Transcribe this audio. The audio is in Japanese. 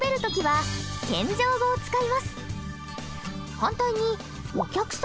はい。